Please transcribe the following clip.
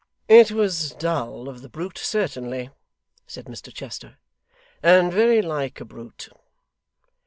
'It was dull of the brute, certainly,' said Mr Chester, 'and very like a brute.